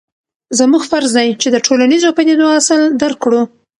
زموږ فرض دی چې د ټولنیزو پدیدو اصل درک کړو.